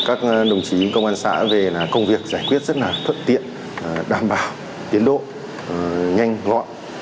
các đồng chí công an xã về công việc giải quyết rất là thất tiện đảm bảo tiến độ nhanh ngọn